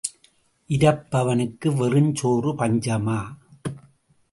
இரப்பவனுக்கு வெறுஞ் சோறு பஞ்சமா?